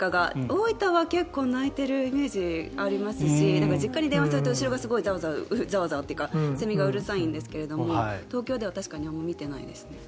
大分は結構鳴いているイメージがありますし実家に電話すると後ろがすごいざわざわとセミがうるさいんですが東京では確かにあまり見てないですね。